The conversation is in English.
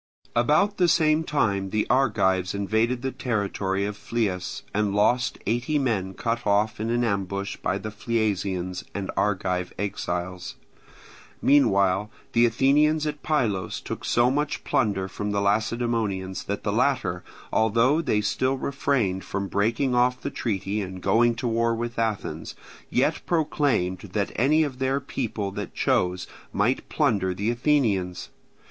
About the same time the Argives invaded the territory of Phlius and lost eighty men cut off in an ambush by the Phliasians and Argive exiles. Meanwhile the Athenians at Pylos took so much plunder from the Lacedaemonians that the latter, although they still refrained from breaking off the treaty and going to war with Athens, yet proclaimed that any of their people that chose might plunder the Athenians.